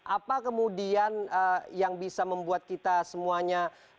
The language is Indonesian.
apa kemudian yang bisa membuat kita semuanya